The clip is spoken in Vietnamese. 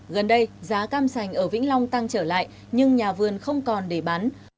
gần đây giá cam sành ở vĩnh long tăng trở lại nhưng nhà vườn không còn để bán